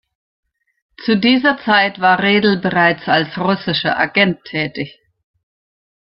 Zu dieser Zeit war Redl bereits als russischer Agent tätig.